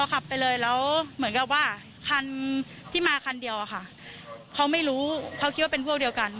ขับไปเลยแล้วเหมือนกับว่าคันที่มาคันเดียวอะค่ะเขาไม่รู้เขาคิดว่าเป็นพวกเดียวกัน